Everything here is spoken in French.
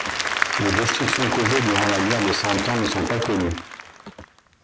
Les destructions causées durant la guerre de Cent Ans ne sont pas connues.